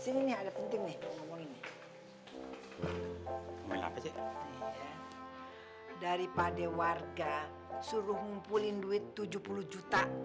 sini nih ada penting nih ngomongin ngomongin apa sih daripada warga suruh ngumpulin duit tujuh puluh juta